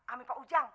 ambil pak ujang